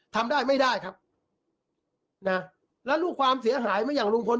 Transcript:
ทำได้ไม่ได้ครับนะแล้วลูกความเสียหายไม่อย่างลุงพล